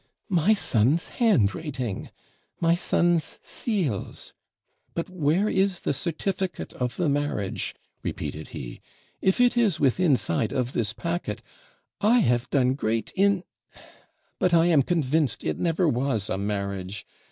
'My son's handwriting my son's seals! But where is the certificate of the marriage?' repeated he; 'if it is withinside of this packet, I have done great IN but I am convinced it never was a marriage.